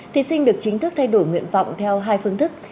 thí sinh được chính thức thay đổi nguyện vọng theo hai phương thức